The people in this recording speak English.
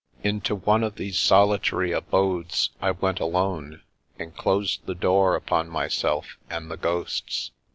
Into one of these solitary abodes I went alone, and closed the door upon myself and the ghosts.